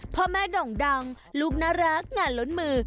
พ่อแม่โด่งดังลูกน่ารักงานล้นมือ